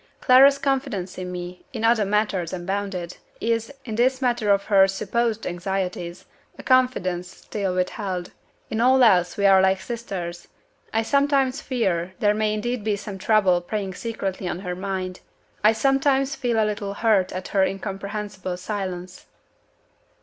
Clara's confidence in me in other matters unbounded is, in this matter of her (supposed) anxieties, a confidence still withheld. In all else we are like sisters. I sometimes fear there may indeed be some trouble preying secretly on her mind. I sometimes feel a little hurt at her incomprehensible silence."